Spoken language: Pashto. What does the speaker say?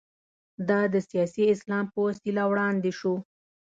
دا د سیاسي اسلام په وسیله وړاندې شو.